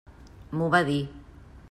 M'ho va dir.